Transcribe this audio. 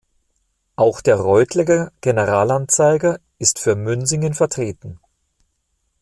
Auch der "Reutlinger Generalanzeiger" ist für Münsingen vertreten.